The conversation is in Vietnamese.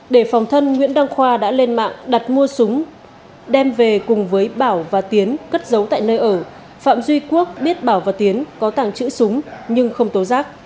để phòng thân nguyễn đăng khoa đã lên mạng đặt mua súng đem về cùng với bảo và tiến cất giấu tại nơi ở phạm duy quốc biết bảo và tiến có tàng trữ súng nhưng không tố giác